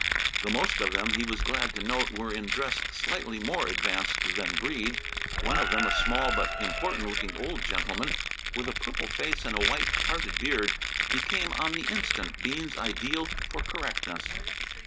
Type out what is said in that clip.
The most of them, he was glad to note, were in dress slightly more advanced than Breede. One of them, a small but important looking old gentleman with a purple face and a white parted beard, became on the instant Bean's ideal for correctness.